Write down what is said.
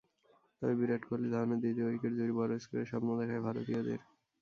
তবে বিরাট কোহলি ধাওয়ানের দ্বিতীয় উইকেট জুটি বড় স্কোরের স্বপ্ন দেখায় ভারতীয়দের।